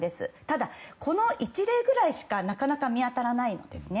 ただ、この１例ぐらいしかなかなか見当たらないんです。